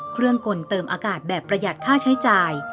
กลเติมอากาศแบบประหยัดค่าใช้จ่าย